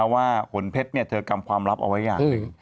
ว่าขนเพชรวงความลับเอาไว้อย่างหนึ่ง